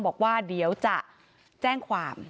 บอกว่าเดี๋ยวจะแจ้งความ